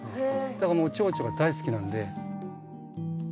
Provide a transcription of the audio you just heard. だからもうチョウチョが大好きなんで。